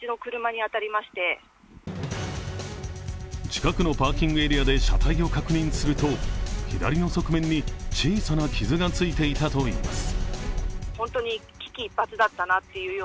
近くのパーキングエリアで車体を確認すると左の側面に小さな傷がついていたといいます。